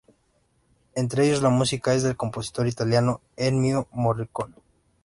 Entre ellos, la música es del compositor italiano Ennio Morricone.